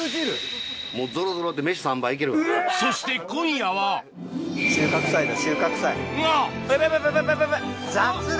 そして今夜はが！